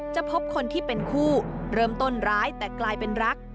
พบคนที่เป็นคู่เริ่มต้นร้ายแต่กลายเป็นรัก